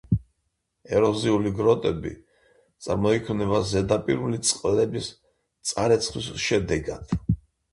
ეროზიული გროტები წარმოიქმნება ზედაპირული წყლების წარეცხვის შედეგად.